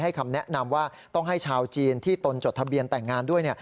คำแนะนำว่าต้องให้ชาวจีนที่ตนจดทะเบียนแต่งงานด้วย